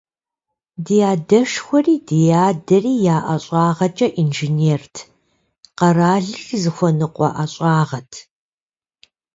Ди адэшхуэри, ди адэри я ӀэщӀагъэкӀэ инженерт, къэралыр зыхуэныкъуэ ӀэщӀагъэт.